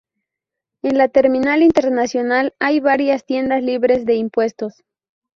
En la terminal internacional hay varias tiendas libres de impuestos.